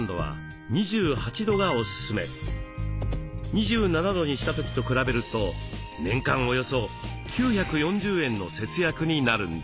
２７度にした時と比べると年間およそ９４０円の節約になるんです。